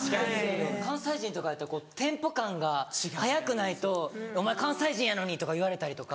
関西人とかやったらこうテンポ感が速くないと「お前関西人やのに」とか言われたりとか。